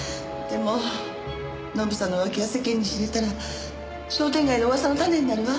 でもノブさんの浮気が世間に知れたら商店街の噂の種になるわ。